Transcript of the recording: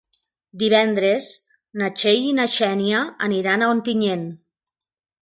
Divendres na Txell i na Xènia aniran a Ontinyent.